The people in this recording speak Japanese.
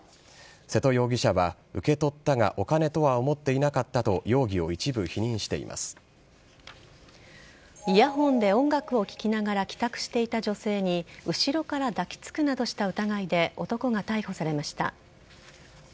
瀬戸容疑者は受け取ったがお金とは思っていなかったとイヤホンで音楽を聴きながら帰宅していた女性に後ろから抱きつくなどした疑いで男が逮捕されました。